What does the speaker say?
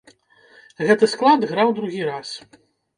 Гэты склад граў другі раз.